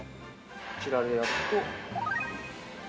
こちらでやると。